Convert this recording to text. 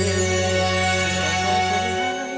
กรอย่างเยอะไปหมด